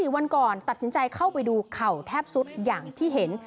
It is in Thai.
๔วันก่อนตัดสินใจเข้าไปดูเข่าแทบสุดอย่างที่เห็น